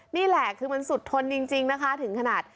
นี่แหละคือมันสุดทนจริงนะคะถึงขนาด